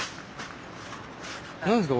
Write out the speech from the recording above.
何ですか？